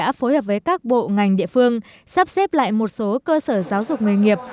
đã phối hợp với các bộ ngành địa phương sắp xếp lại một số cơ sở giáo dục nghề nghiệp